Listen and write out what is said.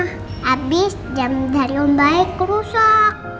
habis jam dari mbak eko rusak